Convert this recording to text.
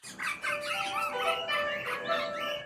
کروندګرو خپل حاصلات په ښه بیه پلورل.